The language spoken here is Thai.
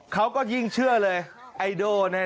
เขาก็ยิ่งเชื่อเลยไอโดเนี่ย